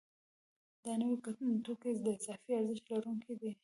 دا نوي توکي د اضافي ارزښت لرونکي دي